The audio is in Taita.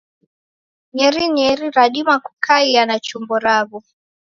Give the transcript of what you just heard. Nyerinyeri radima kukaia na chumbo rawo.